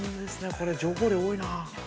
これ情報量多いな。